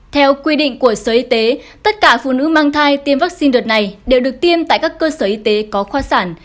theo quy định của sở y tế tất cả phụ nữ mang thai tiêm vaccine đợt này đều được tiêm tại các cơ sở y tế có khoa sản